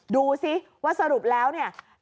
ดูสิว่าสรุปแล้วเนี่ย